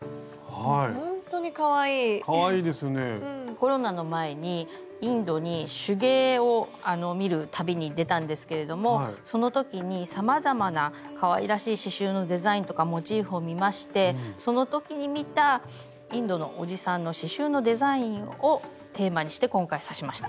コロナの前にインドに手芸を見る旅に出たんですけれどもその時にさまざまなかわいらしい刺しゅうのデザインとかモチーフを見ましてその時に見たインドのおじさんの刺しゅうのデザインをテーマにして今回刺しました。